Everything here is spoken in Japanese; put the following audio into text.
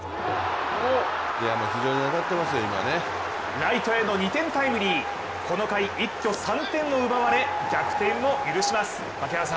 ライトへの２点タイムリーこの回一挙３点を奪われ、逆転を許します。